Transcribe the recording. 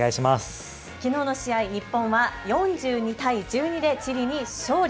きのうの試合、日本は４２対１２でチリに勝利。